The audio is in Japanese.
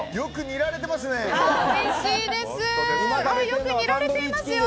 よく煮られていますよ。